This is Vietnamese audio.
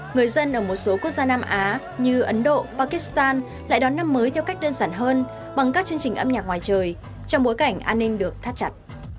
người dân ở một số quốc gia nam á như ấn độ pakistan lại đón năm mới theo cách đơn giản hơn bằng các chương trình âm nhạc ngoài trời trong bối cảnh an ninh được thắt chặt